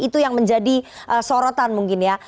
itu yang menjadi sorotan mungkin ya